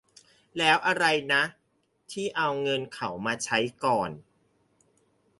แล้วอะไรนะ ที่เอาเงินเขามาใช้ก่อน